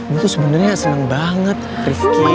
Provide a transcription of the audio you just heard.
gue tuh sebenernya gak seneng banget rifki